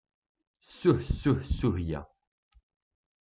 Ssuh, ssuh ssuhya.